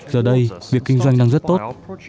giờ đây việc kinh doanh đang rất tốt